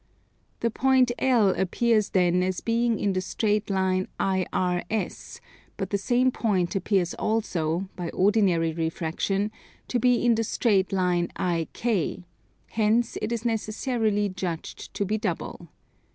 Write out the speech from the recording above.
The point L appears then as being in the straight line IRS; but the same point appears also, by ordinary refraction, to be in the straight line IK, hence it is necessarily judged to be double.